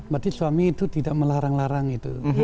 berarti suami itu tidak melarang larang itu